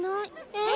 えっ？